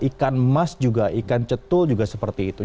ikan emas juga ikan cetul juga seperti itu